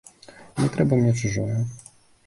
Не трэба мне чужое.